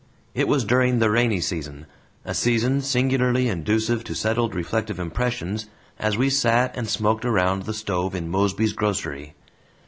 It was during the rainy season a season singularly inducive to settled reflective impressions as we sat and smoked around the stove in Mosby's grocery.